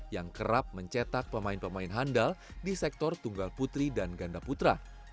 yang kerap mencetak pemain pemain handal di sektor tunggal putri dan ganda putra